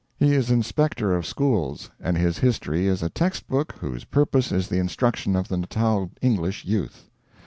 He is inspector of schools, and his history is a text book whose purpose is the instruction of the Natal English youth.